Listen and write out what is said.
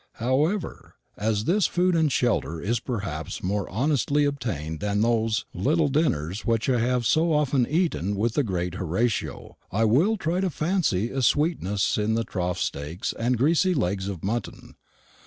However, as this food and shelter is perhaps more honestly obtained than those little dinners which I have so often eaten with the great Horatio, I will try to fancy a sweetness in the tough steaks and greasy legs of mutton.